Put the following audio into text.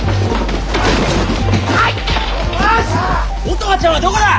乙葉ちゃんはどこだ！